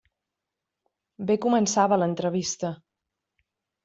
Bé començava l'entrevista.